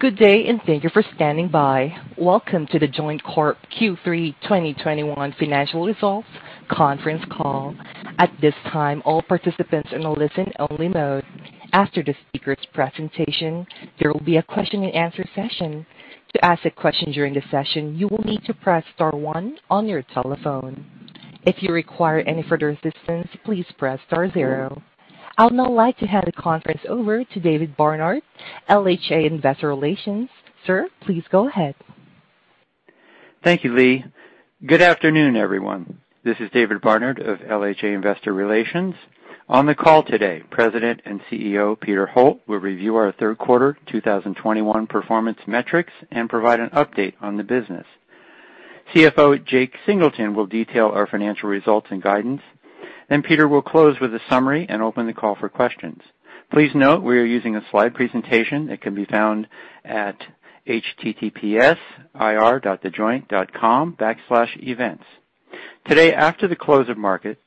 Good day, and thank you for standing by. Welcome to The Joint Corp. Q3 2021 Financial Results Conference Call. At this time, all participants are in a listen-only mode. After the speakers' presentation, there will be a question-and-answer session. To ask a question during the session, you will need to press star one on your telephone. If you require any further assistance, please press star zero. I'd now like to hand the conference over to David Barnard, LHA Investor Relations. Sir, please go ahead. Thank you, Lee. Good afternoon, everyone. This is David Barnard of LHA Investor Relations. On the call today, President and CEO Peter Holt will review our third quarter 2021 performance metrics and provide an update on the business. CFO Jake Singleton will detail our financial results and guidance. Peter will close with a summary and open the call for questions. Please note we are using a slide presentation that can be found at httpsir.thejoint.com/events. Today, after the close of market,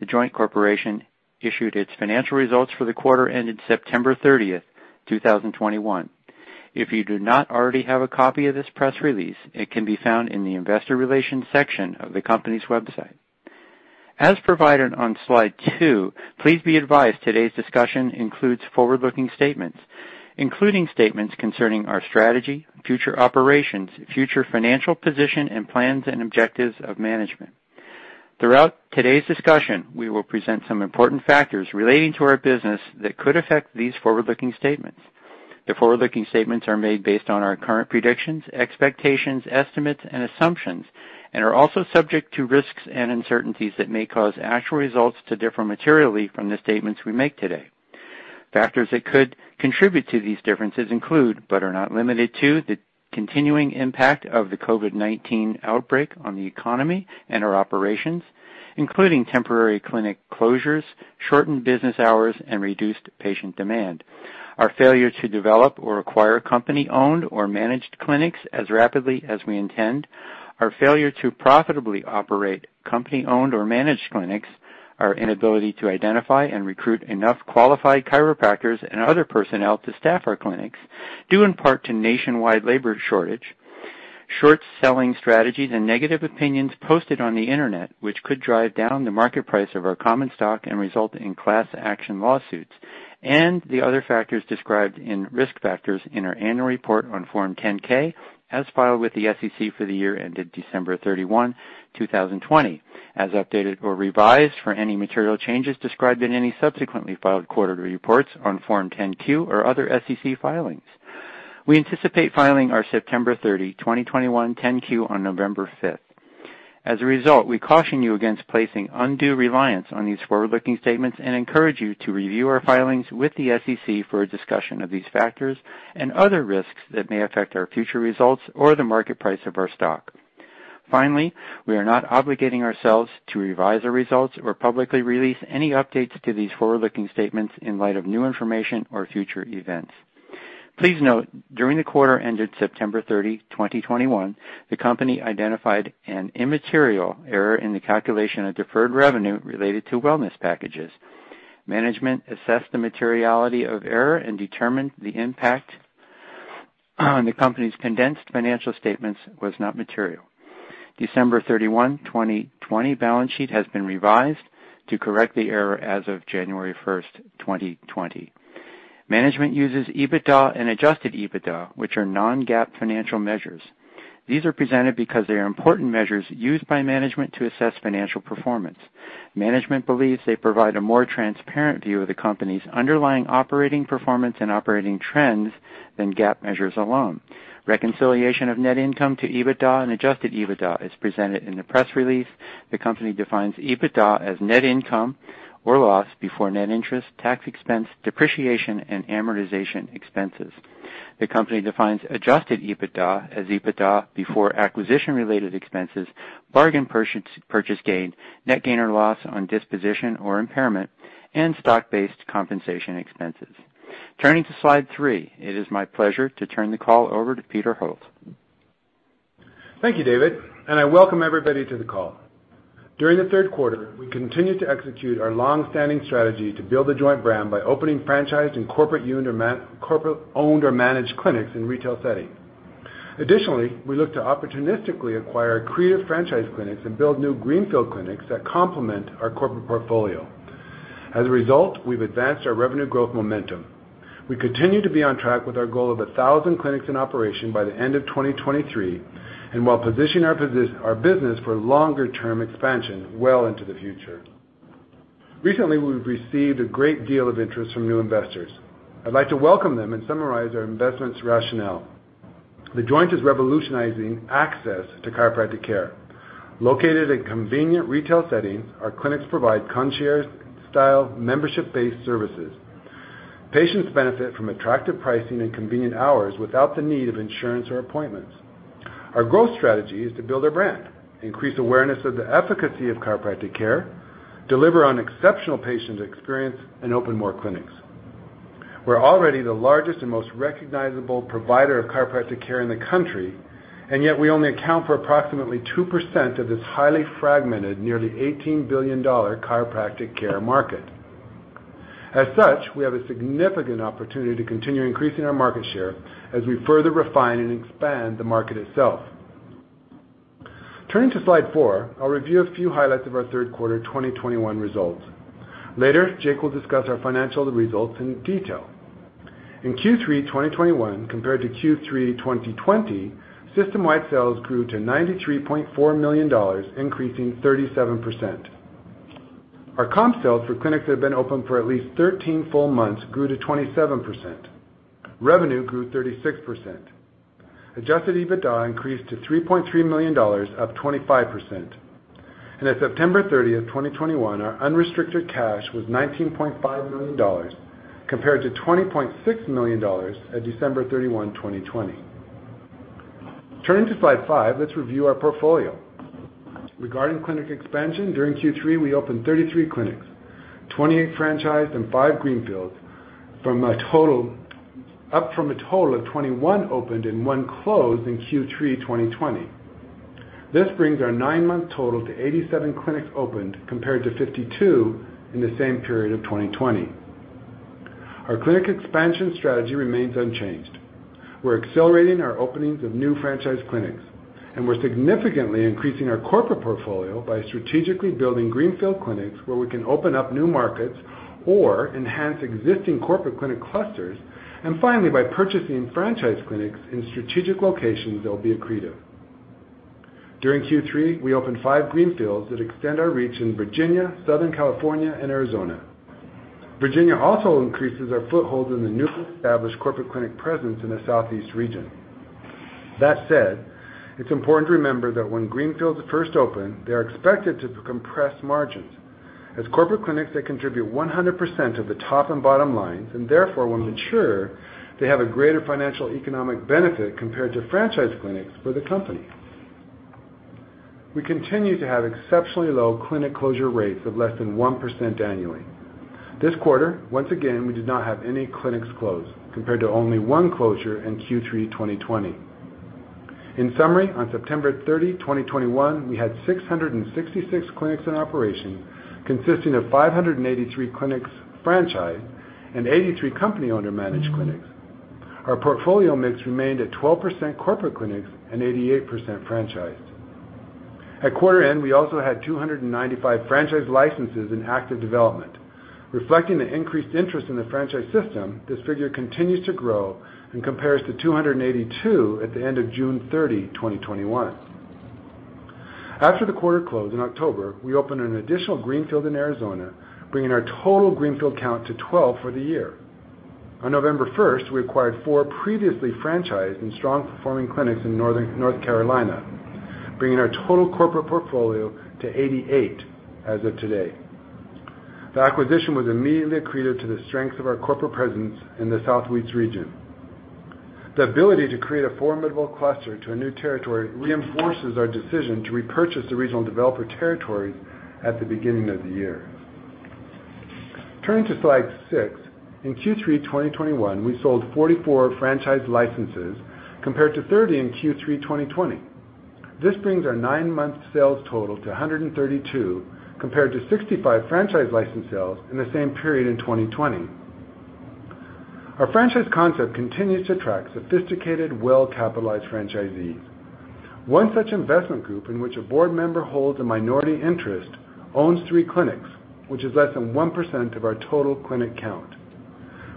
The Joint Corporation issued its financial results for the quarter ended September 30, 2021. If you do not already have a copy of this press release, it can be found in the investor relations section of the company's website. As provided on slide two, please be advised today's discussion includes forward-looking statements, including statements concerning our strategy, future operations, future financial position, and plans and objectives of management. Throughout today's discussion, we will present some important factors relating to our business that could affect these forward-looking statements. The forward-looking statements are made based on our current predictions, expectations, estimates, and assumptions and are also subject to risks and uncertainties that may cause actual results to differ materially from the statements we make today. Factors that could contribute to these differences include, but are not limited to, the continuing impact of the COVID-19 outbreak on the economy and our operations, including temporary clinic closures, shortened business hours, and reduced patient demand, our failure to develop or acquire company-owned or managed clinics as rapidly as we intend, our failure to profitably operate company-owned or managed clinics, our inability to identify and recruit enough qualified chiropractors and other personnel to staff our clinics, due in part to nationwide labor shortage. Short-selling strategies and negative opinions posted on the Internet, which could drive down the market price of our common stock and result in class action lawsuits. The other factors described in risk factors in our annual report on Form 10-K as filed with the SEC for the year ended December 31, 2020, as updated or revised for any material changes described in any subsequently filed quarterly reports on Form 10-Q or other SEC filings. We anticipate filing our September 30, 2021, 10-Q on November 5. As a result, we caution you against placing undue reliance on these forward-looking statements and encourage you to review our filings with the SEC for a discussion of these factors and other risks that may affect our future results or the market price of our stock. Finally, we are not obligating ourselves to revise the results or publicly release any updates to these forward-looking statements in light of new information or future events. Please note, during the quarter ended September 30, 2021, the company identified an immaterial error in the calculation of deferred revenue related to wellness packages. Management assessed the materiality of error and determined the impact on the company's condensed financial statements was not material. The December 31, 2020, balance sheet has been revised to correct the error as of January 1, 2020. Management uses EBITDA and adjusted EBITDA, which are non-GAAP financial measures. These are presented because they are important measures used by management to assess financial performance. Management believes they provide a more transparent view of the company's underlying operating performance and operating trends than GAAP measures alone. Reconciliation of net income to EBITDA and adjusted EBITDA is presented in the press release. The company defines EBITDA as net income or loss before net interest, tax expense, depreciation, and amortization expenses. The company defines adjusted EBITDA as EBITDA before acquisition-related expenses, bargain purchase gain, net gain or loss on disposition or impairment, and stock-based compensation expenses. Turning to slide 3. It is my pleasure to turn the call over to Peter D. Holt. Thank you, David, and I welcome everybody to the call. During the third quarter, we continued to execute our long-standing strategy to build The Joint brand by opening franchised and corporate-owned or managed clinics in retail settings. Additionally, we look to opportunistically acquire creative franchise clinics and build new greenfield clinics that complement our corporate portfolio. As a result, we've advanced our revenue growth momentum. We continue to be on track with our goal of 1,000 clinics in operation by the end of 2023 and while positioning our business for longer-term expansion well into the future. Recently, we've received a great deal of interest from new investors. I'd like to welcome them and summarize our investment rationale. The Joint is revolutionizing access to chiropractic care. Located in convenient retail settings, our clinics provide concierge-style, membership-based services. Patients benefit from attractive pricing and convenient hours without the need of insurance or appointments. Our growth strategy is to build our brand, increase awareness of the efficacy of chiropractic care, deliver on exceptional patient experience, and open more clinics. We're already the largest and most recognizable provider of chiropractic care in the country, and yet we only account for approximately 2% of this highly fragmented, nearly $18 billion chiropractic care market. As such, we have a significant opportunity to continue increasing our market share as we further refine and expand the market itself. Turning to slide four, I'll review a few highlights of our Q3 2021 results. Later, Jake will discuss our financial results in detail. In Q3 2021 compared to Q3 2020, system-wide sales grew to $93.4 million, increasing 37%. Our comp sales for clinics that have been open for at least 13 full months grew to 27%. Revenue grew 36%. Adjusted EBITDA increased to $3.3 million, up 25%. At September 30, 2021, our unrestricted cash was $19.5 million compared to $20.6 million at December 31, 2020. Turning to slide 5, let's review our portfolio. Regarding clinic expansion, during Q3, we opened 33 clinics, 28 franchised and 5 greenfields up from a total of 21 opened and 1 closed in Q3 2020. This brings our 9-month total to 87 clinics opened compared to 52 in the same period of 2020. Our clinic expansion strategy remains unchanged. We're accelerating our openings of new franchise clinics, and we're significantly increasing our corporate portfolio by strategically building greenfield clinics where we can open up new markets or enhance existing corporate clinic clusters, and finally, by purchasing franchise clinics in strategic locations that will be accretive. During Q3, we opened 5 greenfields that extend our reach in Virginia, Southern California, and Arizona. Virginia also increases our foothold in the newly established corporate clinic presence in the Southeast region. That said, it's important to remember that when greenfields first open, they are expected to compress margins. As corporate clinics, they contribute 100% of the top and bottom lines, and therefore, when mature, they have a greater financial economic benefit compared to franchise clinics for the company. We continue to have exceptionally low clinic closure rates of less than 1% annually. This quarter, once again, we did not have any clinics closed compared to only one closure in Q3 2020. In summary, on September 30, 2021, we had 666 clinics in operation consisting of 583 clinics franchised and 83 company owner or managed clinics. Our portfolio mix remained at 12% corporate clinics and 88% franchised. At quarter end, we also had 295 franchise licenses in active development. Reflecting the increased interest in the franchise system, this figure continues to grow and compares to 282 at the end of June 30, 2021. After the quarter closed in October, we opened an additional greenfield in Arizona, bringing our total greenfield count to 12 for the year. On November 1, we acquired 4 previously franchised and strong-performing clinics in North Carolina, bringing our total corporate portfolio to 88 as of today. The acquisition was immediately accretive to the strength of our corporate presence in the Southeast region. The ability to create a formidable cluster in a new territory reinforces our decision to repurchase the regional developer territories at the beginning of the year. Turning to slide six. In Q3 2021, we sold 44 franchise licenses compared to 30 in Q3 2020. This brings our nine-month sales total to 132 compared to 65 franchise license sales in the same period in 2020. Our franchise concept continues to attract sophisticated, well-capitalized franchisees. One such investment group in which a board member holds a minority interest owns 3 clinics, which is less than 1% of our total clinic count.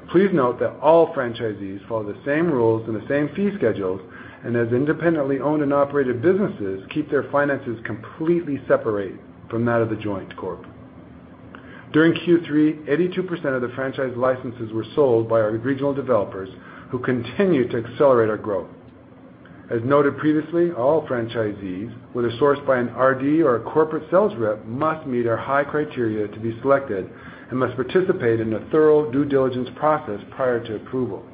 Please note that all franchisees follow the same rules and the same fee schedules, and as independently owned and operated businesses, keep their finances completely separate from that of The Joint Corp. During Q3, 82% of the franchise licenses were sold by our regional developers who continue to accelerate our growth. As noted previously, all franchisees, whether sourced by an RD or a corporate sales rep, must meet our high criteria to be selected and must participate in a thorough due diligence process prior to approval.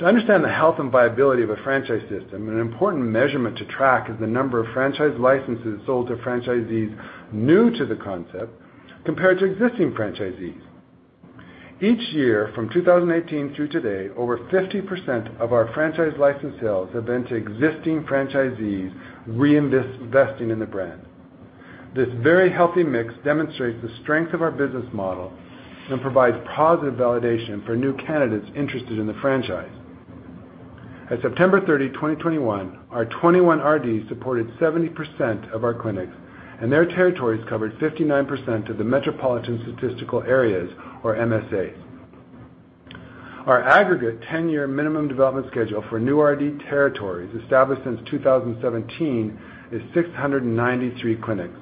To understand the health and viability of a franchise system, an important measurement to track is the number of franchise licenses sold to franchisees new to the concept compared to existing franchisees. Each year, from 2018 through today, over 50% of our franchise license sales have been to existing franchisees reinvesting in the brand. This very healthy mix demonstrates the strength of our business model and provides positive validation for new candidates interested in the franchise. At September 30, 2021, our 21 RDs supported 70% of our clinics, and their territories covered 59% of the metropolitan statistical areas or MSAs. Our aggregate 10-year minimum development schedule for new RD territories established since 2017 is 693 clinics.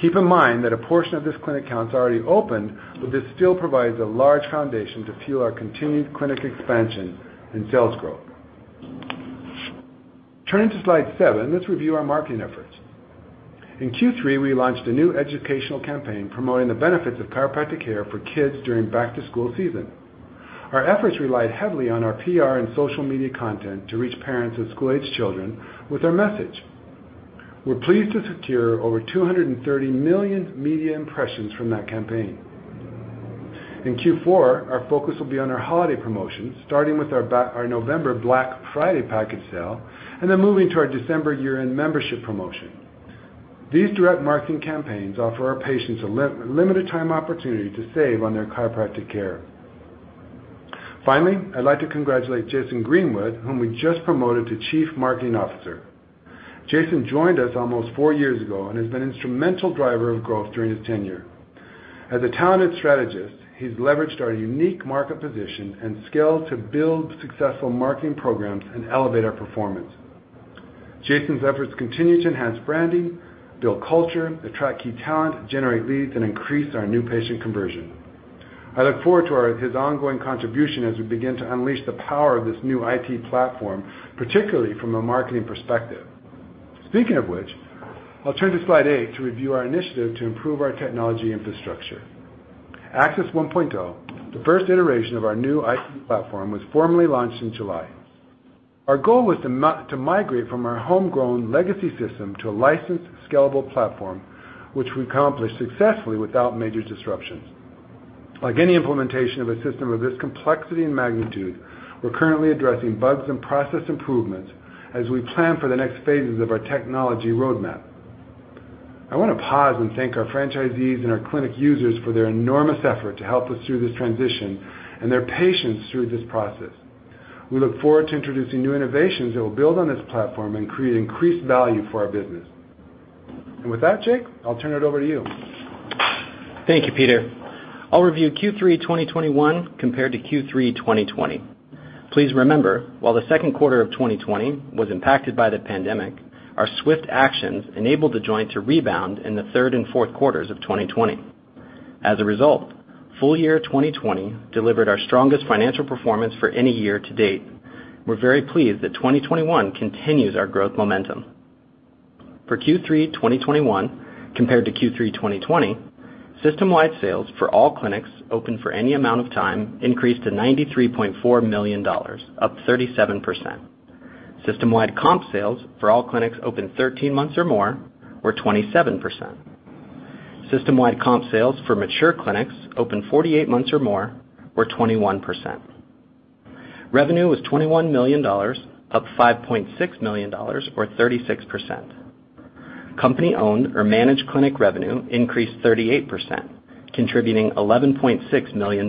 Keep in mind that a portion of this clinic count is already opened, but this still provides a large foundation to fuel our continued clinic expansion and sales growth. Turning to slide 7, let's review our marketing efforts. In Q3, we launched a new educational campaign promoting the benefits of chiropractic care for kids during back-to-school season. Our efforts relied heavily on our PR and social media content to reach parents of school-aged children with our message. We're pleased to secure over 230 million media impressions from that campaign. In Q4, our focus will be on our holiday promotions, starting with our November Black Friday package sale, and then moving to our December year-end membership promotion. These direct marketing campaigns offer our patients a limited time opportunity to save on their chiropractic care. Finally, I'd like to congratulate Jason Greenwood, whom we just promoted to Chief Marketing Officer. Jason joined us almost four years ago and has been an instrumental driver of growth during his tenure. As a talented strategist, he's leveraged our unique market position and scale to build successful marketing programs and elevate our performance. Jason's efforts continue to enhance branding, build culture, attract key talent, generate leads, and increase our new patient conversion. I look forward to his ongoing contribution as we begin to unleash the power of this new IT platform, particularly from a marketing perspective. Speaking of which, I'll turn to slide 8 to review our initiative to improve our technology infrastructure. Axis 1.0, the first iteration of our new IT platform, was formally launched in July. Our goal was to migrate from our homegrown legacy system to a licensed, scalable platform, which we accomplished successfully without major disruptions. Like any implementation of a system of this complexity and magnitude, we're currently addressing bugs and process improvements as we plan for the next phases of our technology roadmap. I wanna pause and thank our franchisees and our clinic users for their enormous effort to help us through this transition and their patience through this process. We look forward to introducing new innovations that will build on this platform and create increased value for our business. With that, Jake, I'll turn it over to you. Thank you, Peter. I'll review Q3 2021 compared to Q3 2020. Please remember, while the second quarter of 2020 was impacted by the pandemic, our swift actions enabled The Joint to rebound in the third and fourth quarters of 2020. As a result, full year 2020 delivered our strongest financial performance for any year to date. We're very pleased that 2021 continues our growth momentum. For Q3 2021 compared to Q3 2020, system-wide sales for all clinics open for any amount of time increased to $93.4 million, up 37%. System-wide comp sales for all clinics open 13 months or more were 27%. System-wide comp sales for mature clinics open 48 months or more were 21%. Revenue was $21 million, up $5.6 million or 36%. Company-owned or managed clinic revenue increased 38%, contributing $11.6 million.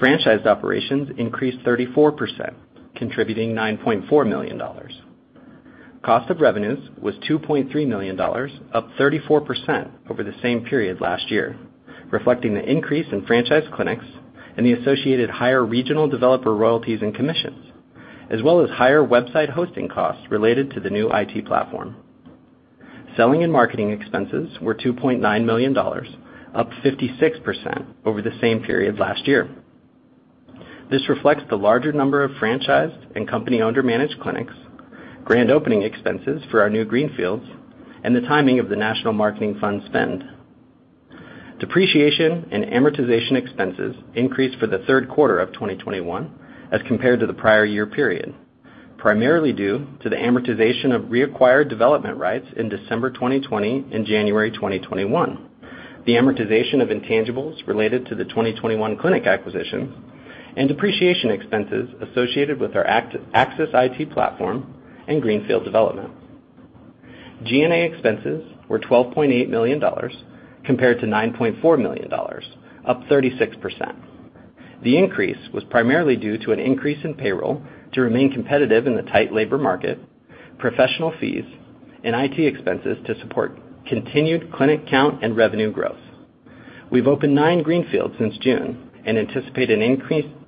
Franchised operations increased 34%, contributing $9.4 million. Cost of revenues was $2.3 million, up 34% over the same period last year, reflecting the increase in franchise clinics and the associated higher regional developer royalties and commissions, as well as higher website hosting costs related to the new IT platform. Selling and marketing expenses were $2.9 million, up 56% over the same period last year. This reflects the larger number of franchised and company-owned or managed clinics, grand opening expenses for our new greenfields, and the timing of the national marketing fund spend. Depreciation and amortization expenses increased for the third quarter of 2021 as compared to the prior year period, primarily due to the amortization of reacquired development rights in December 2020 and January 2021, the amortization of intangibles related to the 2021 clinic acquisitions, and depreciation expenses associated with our Axis IT platform and greenfield development. G&A expenses were $12.8 million compared to $9.4 million, up 36%. The increase was primarily due to an increase in payroll to remain competitive in the tight labor market, professional fees, and IT expenses to support continued clinic count and revenue growth. We've opened 9 greenfields since June and anticipate an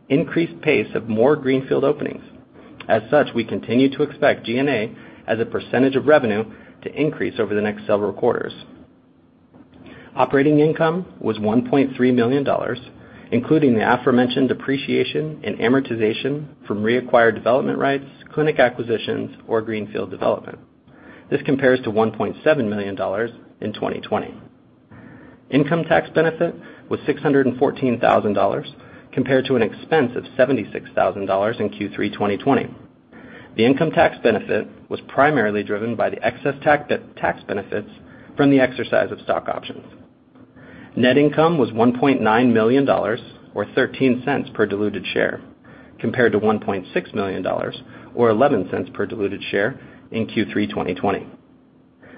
increased pace of more greenfield openings. As such, we continue to expect G&A as a percentage of revenue to increase over the next several quarters. Operating income was $1.3 million, including the aforementioned depreciation and amortization from reacquired development rights, clinic acquisitions, or greenfield development. This compares to $1.7 million in 2020. Income tax benefit was $614,000 compared to an expense of $76,000 in Q3 2020. The income tax benefit was primarily driven by the excess tax benefits from the exercise of stock options. Net income was $1.9 million or $0.13 per diluted share, compared to $1.6 million or $0.11 per diluted share in Q3 2020.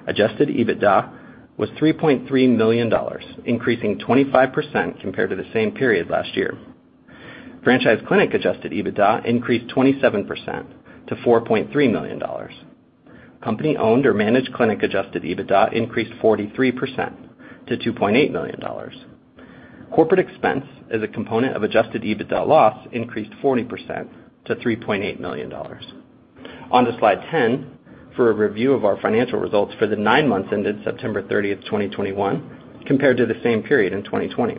Adjusted EBITDA was $3.3 million, increasing 25% compared to the same period last year. Franchise clinic adjusted EBITDA increased 27% to $4.3 million. Company-owned or managed clinic adjusted EBITDA increased 43% to $2.8 million. Corporate expense as a component of adjusted EBITDA loss increased 40% to $3.8 million. On to slide 10 for a review of our financial results for the nine months ended September 30, 2021, compared to the same period in 2020.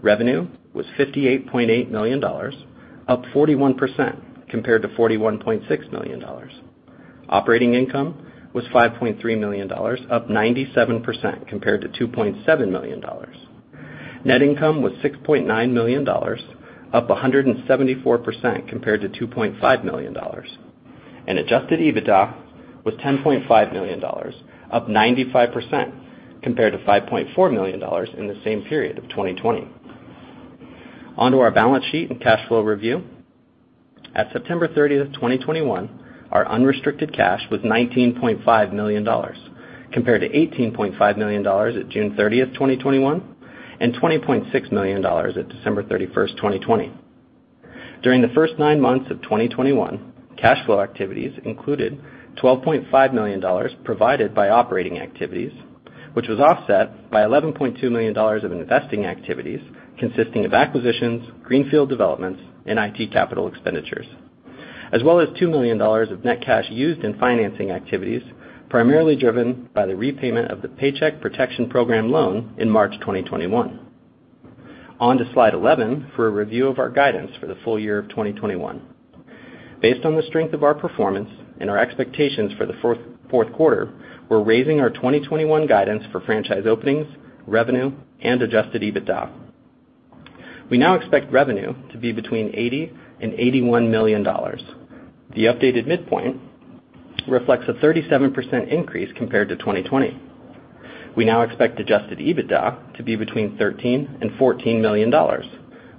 Revenue was $58.8 million, up 41% compared to $41.6 million. Operating income was $5.3 million, up 97% compared to $2.7 million. Net income was $6.9 million, up 174% compared to $2.5 million. Adjusted EBITDA was $10.5 million, up 95% compared to $5.4 million in the same period of 2020. On to our balance sheet and cash flow review. At September 30, 2021, our unrestricted cash was $19.5 million, compared to $18.5 million at June 30, 2021, and $20.6 million at December 31, 2020. During the first nine months of 2021, cash flow activities included $12.5 million provided by operating activities, which was offset by $11.2 million of investing activities, consisting of acquisitions, greenfield developments, and IT capital expenditures, as well as $2 million of net cash used in financing activities, primarily driven by the repayment of the Paycheck Protection Program loan in March 2021. On to slide 11 for a review of our guidance for the full year of 2021. Based on the strength of our performance and our expectations for the fourth quarter, we're raising our 2021 guidance for franchise openings, revenue, and adjusted EBITDA. We now expect revenue to be between $80 million and $81 million. The updated midpoint reflects a 37% increase compared to 2020. We now expect adjusted EBITDA to be between $13 million and $14 million.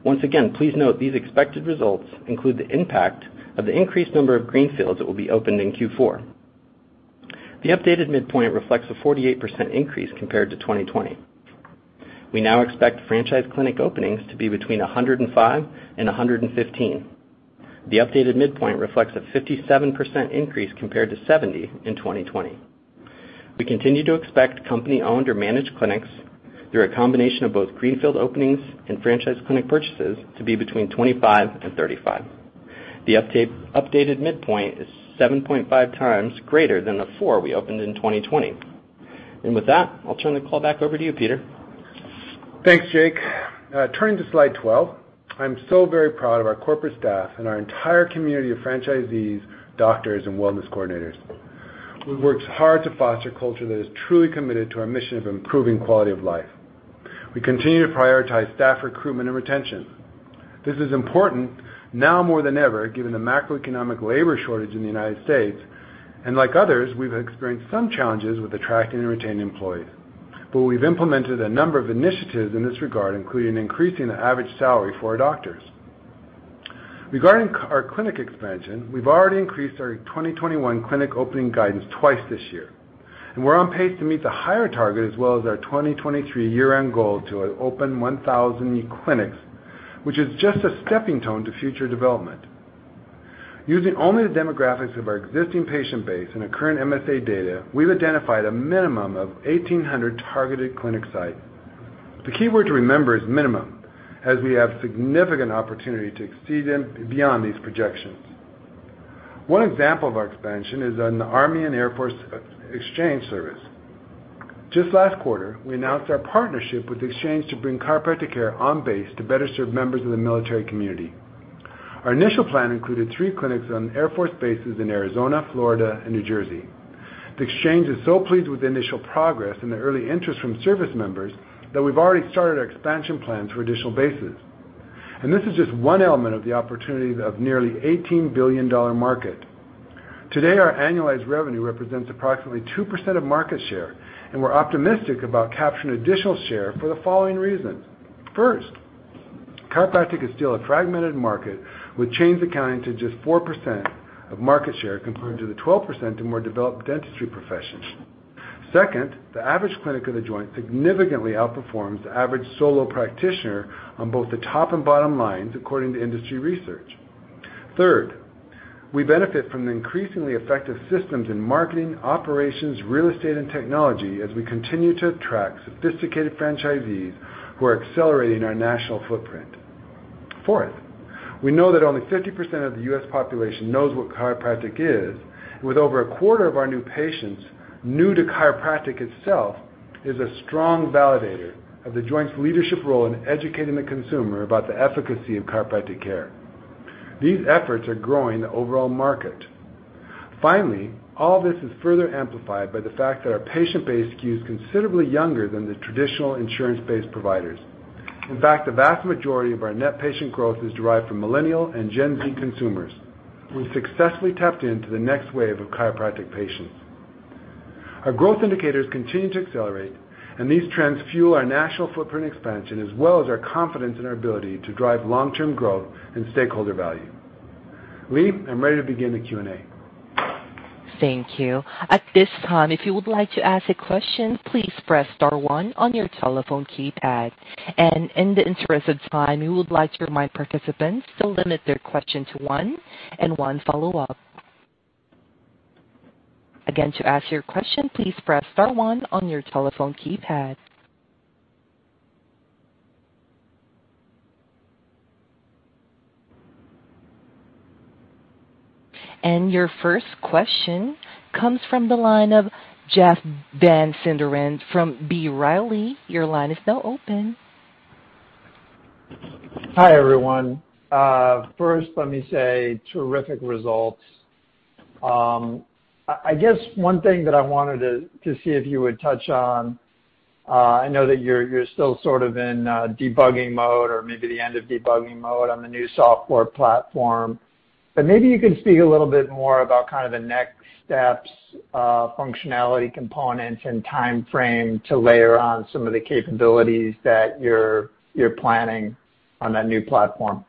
Once again, please note these expected results include the impact of the increased number of greenfields that will be opened in Q4. The updated midpoint reflects a 48% increase compared to 2020. We now expect franchise clinic openings to be between 105 and 115. The updated midpoint reflects a 57% increase compared to 70 in 2020. We continue to expect company-owned or managed clinics through a combination of both greenfield openings and franchise clinic purchases to be between 25 and 35. The updated midpoint is 7.5 times greater than the 4 we opened in 2020. With that, I'll turn the call back over to you, Peter. Thanks, Jake. Turning to slide 12. I'm so very proud of our corporate staff and our entire community of franchisees, doctors and wellness coordinators. We've worked hard to foster a culture that is truly committed to our mission of improving quality of life. We continue to prioritize staff recruitment and retention. This is important now more than ever, given the macroeconomic labor shortage in the United States. Like others, we've experienced some challenges with attracting and retaining employees. We've implemented a number of initiatives in this regard, including increasing the average salary for our doctors. Regarding our clinic expansion, we've already increased our 2021 clinic opening guidance twice this year, and we're on pace to meet the higher target as well as our 2023 year-end goal to open 1,000 clinics, which is just a stepping stone to future development. Using only the demographics of our existing patient base and the current MSA data, we've identified a minimum of 1,800 targeted clinic sites. The key word to remember is minimum, as we have significant opportunity to exceed them beyond these projections. One example of our expansion is an Army & Air Force Exchange Service. Just last quarter, we announced our partnership with Exchange to bring chiropractic care on base to better serve members of the military community. Our initial plan included three clinics on Air Force bases in Arizona, Florida and New Jersey. The Exchange is so pleased with the initial progress and the early interest from service members that we've already started our expansion plan for additional bases. This is just one element of the opportunity of nearly $18 billion market. Today, our annualized revenue represents approximately 2% of market share, and we're optimistic about capturing additional share for the following reasons. First, chiropractic is still a fragmented market, with chains accounting to just 4% of market share, compared to the 12% in more developed dentistry professions. Second, the average clinic of The Joint significantly outperforms the average solo practitioner on both the top and bottom lines, according to industry research. Third, we benefit from the increasingly effective systems in marketing, operations, real estate, and technology as we continue to attract sophisticated franchisees who are accelerating our national footprint. Fourth, we know that only 50% of the U.S. population knows what chiropractic is, with over a quarter of our new patients new to chiropractic itself, is a strong validator of The Joint's leadership role in educating the consumer about the efficacy of chiropractic care. These efforts are growing the overall market. Finally, all this is further amplified by the fact that our patient base skews considerably younger than the traditional insurance-based providers. In fact, the vast majority of our net patient growth is derived from Millennials and Gen Z consumers. We've successfully tapped into the next wave of chiropractic patients. Our growth indicators continue to accelerate, and these trends fuel our national footprint expansion as well as our confidence in our ability to drive long-term growth and stakeholder value. Lee, I'm ready to begin the Q&A. Thank you. At this time, if you would like to ask a question, please press star one on your telephone keypad. In the interest of time, we would like to remind participants to limit their question to one and one follow-up. Again, to ask your question, please press star one on your telephone keypad. Your first question comes from the line of Jeff Van Sinderen from B. Riley. Your line is now open. Hi, everyone. First let me say terrific results. I guess one thing that I wanted to see if you would touch on. I know that you're still sort of in debugging mode or maybe the end of debugging mode on the new software platform. Maybe you could speak a little bit more about kind of the next steps, functionality components, and time frame to layer on some of the capabilities that you're planning on that new software platform.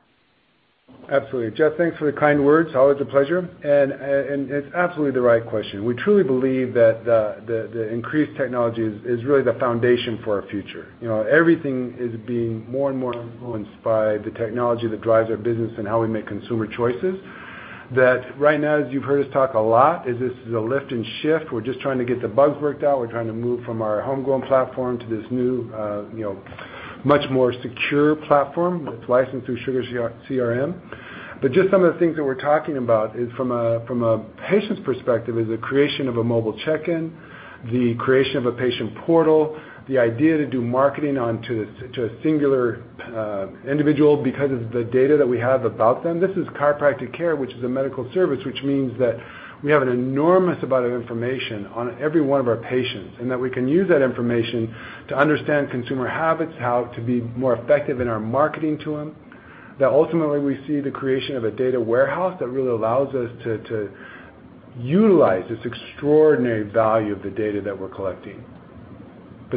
Absolutely. Jeff, thanks for the kind words. Always a pleasure. It's absolutely the right question. We truly believe that the increased technology is really the foundation for our future. You know, everything is being more and more influenced by the technology that drives our business and how we make consumer choices. That right now, as you've heard us talk a lot, is a lift and shift. We're just trying to get the bugs worked out. We're trying to move from our homegrown platform to this new, you know, much more secure platform that's licensed through SugarCRM. Just some of the things that we're talking about is from a patient's perspective, is the creation of a mobile check-in, the creation of a patient portal, the idea to do marketing to a singular individual because of the data that we have about them. This is chiropractic care, which is a medical service, which means that we have an enormous amount of information on every one of our patients, and that we can use that information to understand consumer habits, how to be more effective in our marketing to them. That ultimately we see the creation of a data warehouse that really allows us to utilize this extraordinary value of the data that we're collecting.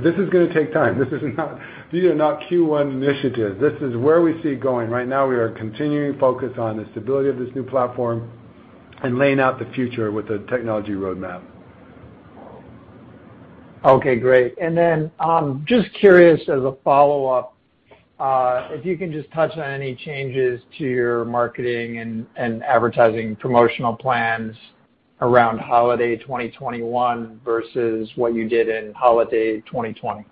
This is gonna take time. These are not Q1 initiatives. This is where we see it going. Right now, we are continuing focus on the stability of this new platform and laying out the future with the technology roadmap. Okay, great. Just curious as a follow-up, if you can just touch on any changes to your marketing and advertising promotional plans around holiday 2021 versus what you did in holiday 2020.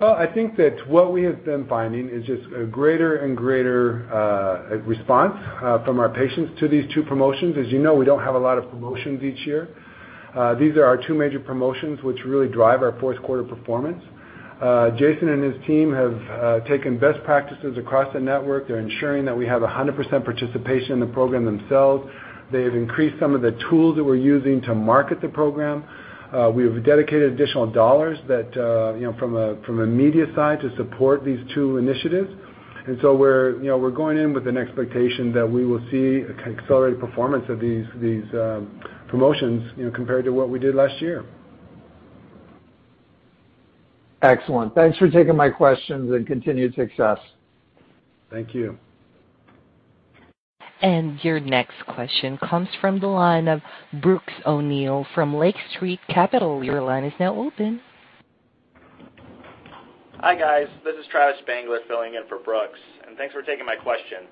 Well, I think that what we have been finding is just a greater and greater response from our patients to these two promotions. As you know, we don't have a lot of promotions each year. These are our two major promotions which really drive our fourth quarter performance. Jason and his team have taken best practices across the network. They're ensuring that we have 100% participation in the program themselves. They have increased some of the tools that we're using to market the program. We have dedicated additional dollars that, you know, from a media side to support these two initiatives. We're, you know, going in with an expectation that we will see accelerated performance of these promotions, you know, compared to what we did last year. Excellent. Thanks for taking my questions, and continued success. Thank you. Your next question comes from the line of Brooks O'Neil from Lake Street Capital. Your line is now open. Hi, guys. This is Travis Spangler filling in for Brooks, and thanks for taking my question.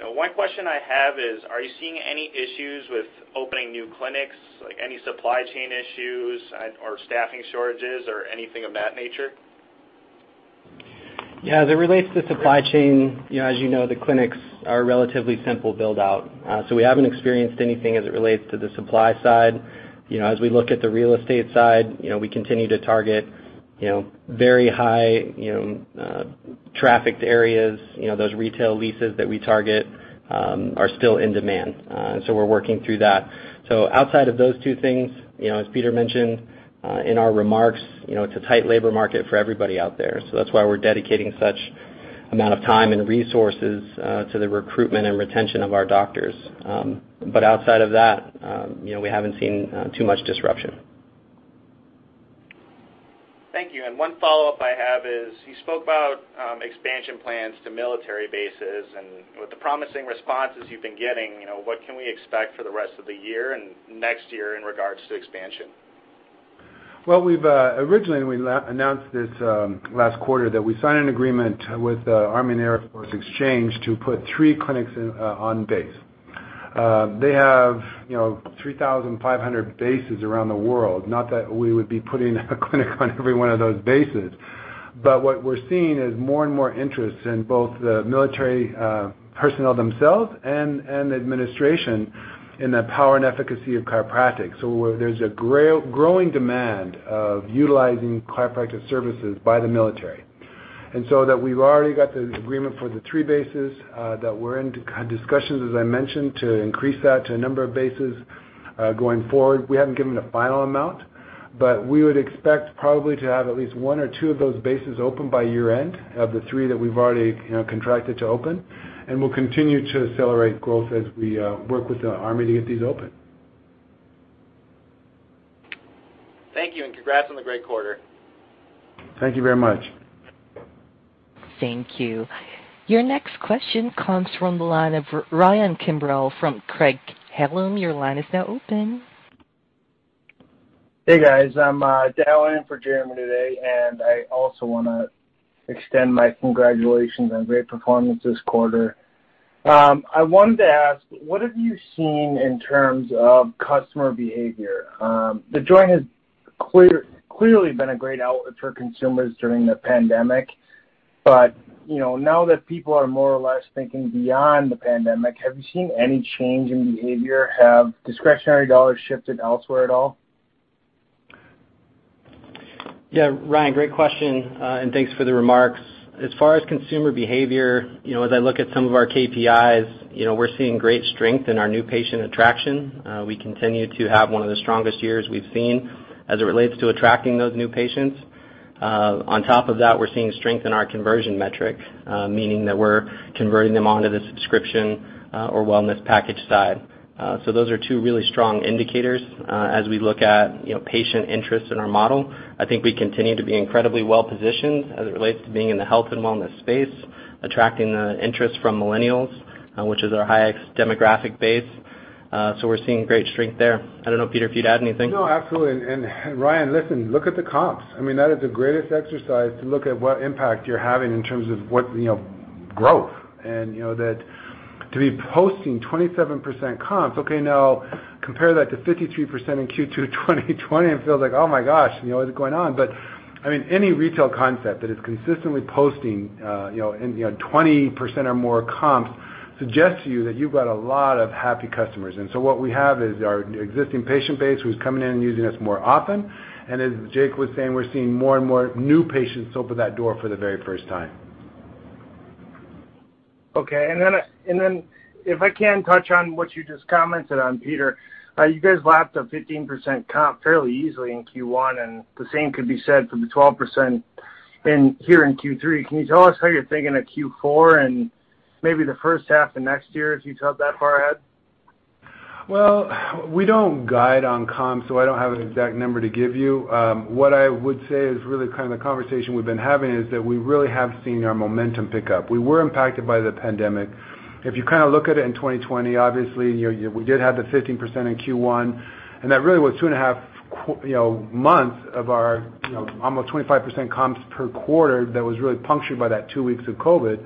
One question I have is, are you seeing any issues with opening new clinics, like any supply chain issues and or staffing shortages or anything of that nature? Yeah, as it relates to supply chain, you know, as you know, the clinics are a relatively simple build-out. We haven't experienced anything as it relates to the supply side. You know, as we look at the real estate side, you know, we continue to target, you know, very high, you know, trafficked areas. You know, those retail leases that we target are still in demand. We're working through that. Outside of those two things, you know, as Peter mentioned in our remarks, you know, it's a tight labor market for everybody out there. That's why we're dedicating such amount of time and resources to the recruitment and retention of our doctors. But outside of that, you know, we haven't seen too much disruption. Thank you. One follow-up I have is, you spoke about expansion plans to military bases and with the promising responses you've been getting, you know, what can we expect for the rest of the year and next year in regards to expansion? Well, we've originally announced this last quarter that we signed an agreement with Army & Air Force Exchange to put three clinics in on base. They have, you know, 3,500 bases around the world, not that we would be putting a clinic on every one of those bases. What we're seeing is more and more interest in both the military personnel themselves and the administration in the power and efficacy of chiropractic, where there's a growing demand of utilizing chiropractic services by the military. We've already got the agreement for the three bases that we're in discussions, as I mentioned, to increase that to a number of bases going forward. We haven't given a final amount, but we would expect probably to have at least one or two of those bases open by year-end of the three that we've already, you know, contracted to open. We'll continue to accelerate growth as we work with the Army to get these open. Thank you, and congrats on the great quarter. Thank you very much. Thank you. Your next question comes from the line of Ryan Kimbrel from Craig-Hallum. Your line is now open. Hey, guys. I'm dialing in for Jeremy today, and I also wanna extend my congratulations on great performance this quarter. I wanted to ask, what have you seen in terms of customer behavior? The Joint has clearly been a great outlet for consumers during the pandemic, but, you know, now that people are more or less thinking beyond the pandemic, have you seen any change in behavior? Have discretionary dollars shifted elsewhere at all? Yeah, Ryan, great question. Thanks for the remarks. As far as consumer behavior, you know, as I look at some of our KPIs, you know, we're seeing great strength in our new patient attraction. We continue to have one of the strongest years we've seen as it relates to attracting those new patients. On top of that, we're seeing strength in our conversion metric, meaning that we're converting them onto the subscription, or wellness package side. Those are two really strong indicators, as we look at, you know, patient interest in our model. I think we continue to be incredibly well-positioned as it relates to being in the health and wellness space, attracting the interest from Millennials, which is our highest demographic base. We're seeing great strength there. I don't know, Peter, if you'd add anything. No, absolutely. Ryan, listen, look at the comps. I mean, that is the greatest exercise to look at what impact you're having in terms of what, you know, growth. You know, that to be posting 27% comps, okay, now compare that to 53% in Q2 2020 and feel like, oh my gosh, you know, what is going on? I mean, any retail concept that is consistently posting, you know, and, you know, 20% or more comps suggests to you that you've got a lot of happy customers. What we have is our existing patient base who's coming in and using us more often. As Jake was saying, we're seeing more and more new patients open that door for the very first time. If I can touch on what you just commented on, Peter. You guys lapped a 15% comp fairly easily in Q1, and the same could be said for the 12% in Q3. Can you tell us how you're thinking of Q4 and maybe the first half of next year if you think that far ahead? Well, we don't guide on comps, so I don't have an exact number to give you. What I would say is really kind of the conversation we've been having is that we really have seen our momentum pick up. We were impacted by the pandemic. If you kinda look at it in 2020, obviously, you know, we did have the 15% in Q1, and that really was two and a half, you know, months of our, you know, almost 25% comps per quarter that was really punctured by that two weeks of COVID.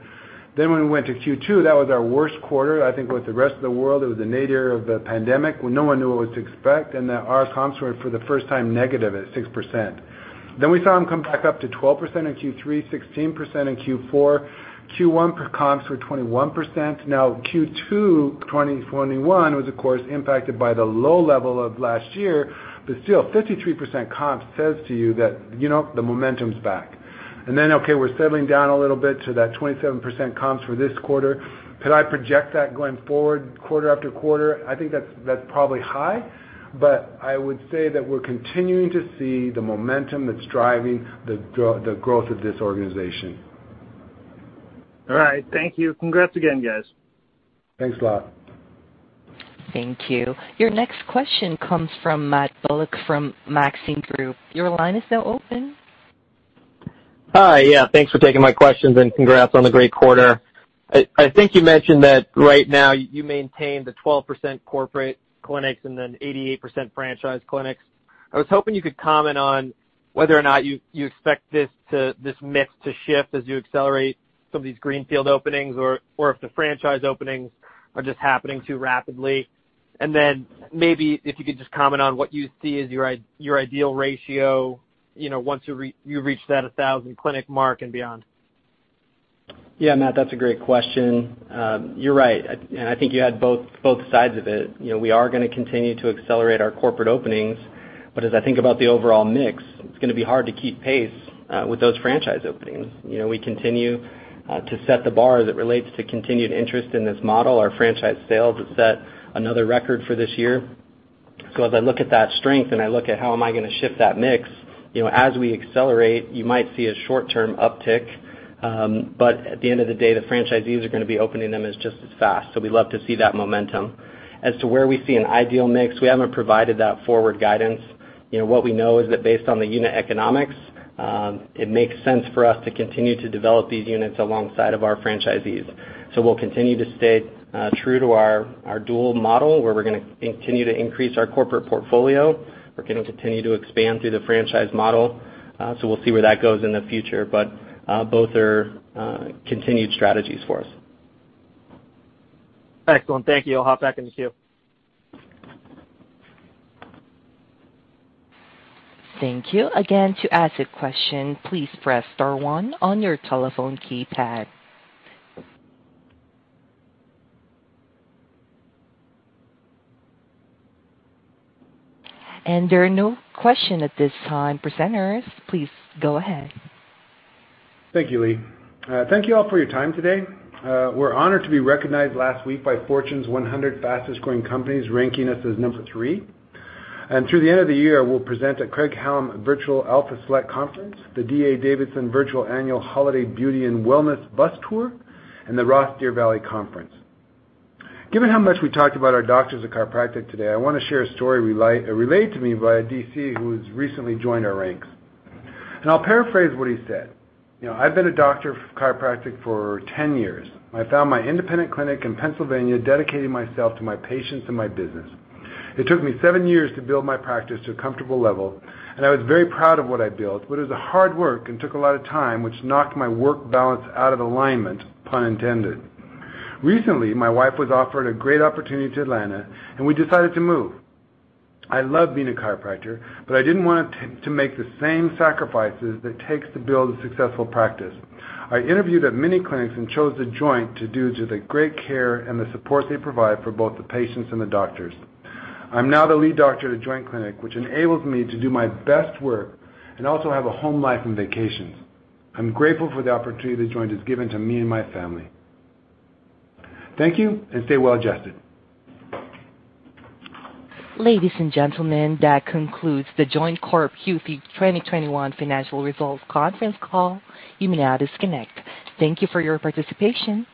Then when we went to Q2, that was our worst quarter, I think, with the rest of the world. It was the nadir of the pandemic when no one knew what to expect, and our comps were, for the first time, negative at 6%. We saw them come back up to 12% in Q3, 16% in Q4. Q1 comps were 21%. Now, Q2 2021 was, of course, impacted by the low level of last year, but still 53% comp says to you that, you know, the momentum's back. We're settling down a little bit to that 27% comps for this quarter. Could I project that going forward quarter after quarter? I think that's probably high, but I would say that we're continuing to see the momentum that's driving the growth of this organization. All right. Thank you. Congrats again, guys. Thanks a lot. Thank you. Your next question comes from Matt Bullock from Maxim Group. Your line is now open. Hi. Yeah, thanks for taking my questions, and congrats on the great quarter. I think you mentioned that right now you maintain the 12% corporate clinics and then 88% franchise clinics. I was hoping you could comment on whether or not you expect this mix to shift as you accelerate some of these greenfield openings or if the franchise openings are just happening too rapidly. Maybe if you could just comment on what you see as your ideal ratio, you know, once you reach that 1,000 clinic mark and beyond. Yeah. Matt, that's a great question. You're right. I think you had both sides of it. You know, we are gonna continue to accelerate our corporate openings, but as I think about the overall mix, it's gonna be hard to keep pace with those franchise openings. You know, we continue to set the bar as it relates to continued interest in this model. Our franchise sales have set another record for this year. As I look at that strength and I look at how am I gonna shift that mix, you know, as we accelerate, you might see a short-term uptick. At the end of the day, the franchisees are gonna be opening them as just as fast. We love to see that momentum. As to where we see an ideal mix, we haven't provided that forward guidance. You know, what we know is that based on the unit economics, it makes sense for us to continue to develop these units alongside of our franchisees. We'll continue to stay true to our dual model, where we're gonna continue to increase our corporate portfolio. We're gonna continue to expand through the franchise model. We'll see where that goes in the future, but both are continued strategies for us. Excellent. Thank you. I'll hop back in the queue. Thank you. Again, to ask a question, please press star one on your telephone keypad. And there are no question at this time. Presenters, please go ahead. Thank you, Lee. Thank you all for your time today. We're honored to be recognized last week by Fortune's 100 Fastest-Growing Companies, ranking us as number 3. Through the end of the year, we'll present at Craig-Hallum Virtual Alpha Select Conference, the D.A. Davidson Virtual Annual Holiday Beauty and Wellness Bus Tour, and the ROTH Deer Valley Conference. Given how much we talked about our doctors of chiropractic today, I wanna share a story relayed to me by a DC who's recently joined our ranks. I'll paraphrase what he said. You know, "I've been a doctor of chiropractic for 10 years. I founded my independent clinic in Pennsylvania, dedicating myself to my patients and my business. It took me seven years to build my practice to a comfortable level, and I was very proud of what I built, but it was hard work and took a lot of time, which knocked my work balance out of alignment, pun intended. Recently, my wife was offered a great opportunity to Atlanta, and we decided to move. I love being a chiropractor, but I didn't want to make the same sacrifices it takes to build a successful practice. I interviewed at many clinics and chose The Joint due to the great care and the support they provide for both the patients and the doctors. I'm now the lead doctor at The Joint Clinic, which enables me to do my best work and also have a home life and vacations. I'm grateful for the opportunity The Joint has given to me and my family." Thank you, and stay well adjusted. Ladies and gentlemen, that concludes The Joint Corp. Q3 2021 Financial Results Conference Call. You may now disconnect. Thank you for your participation.